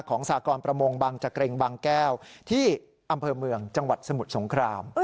สากรประมงบังจักริงบางแก้วที่อำเภอเมืองจังหวัดสมุทรสงคราม